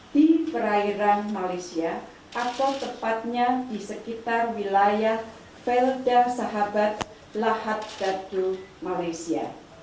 di perairan malaysia atau tepatnya di sekitar wilayah velda sahabat lahat gardu malaysia